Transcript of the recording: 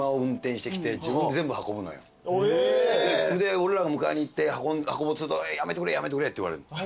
俺らが迎えに行って運ぼうとすると「やめてくれやめてくれ」って言われる。